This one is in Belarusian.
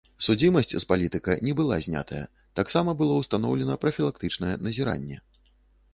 Судзімасць з палітыка не была знятая, таксама было ўстаноўлена прафілактычнае назіранне.